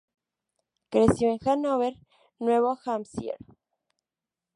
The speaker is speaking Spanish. Creció en Hanover, Nuevo Hampshire.